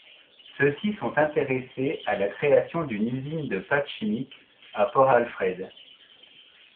Ceux-ci sont intéressés à la création d'une usine de pâte chimique à Port-Alfred.